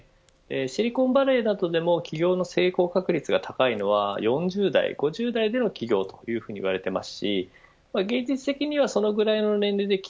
シリコンバレーなどでも起業の成功確率が高いのは４０代、５０代での起業というふうに言われています。